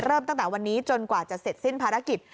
ตั้งแต่วันนี้จนกว่าจะเสร็จสิ้นภารกิจ